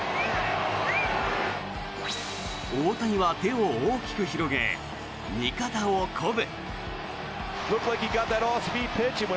大谷は手を大きく広げ味方を鼓舞。